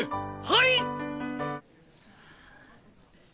はい！